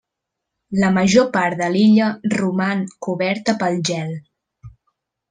La major part de l'illa roman coberta pel gel.